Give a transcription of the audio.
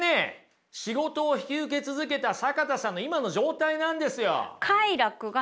仕事を引き受け続けた坂田さんの今の状態なんですよ。